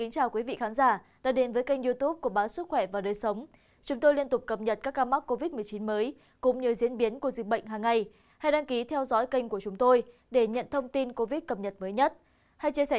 các bạn hãy đăng ký kênh để ủng hộ kênh của chúng mình nhé